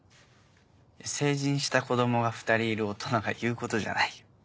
成人した子供が２人いる大人が言うことじゃないよ。